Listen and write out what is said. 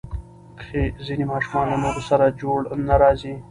ځینې ماشومان له نورو سره جوړ نه راځي.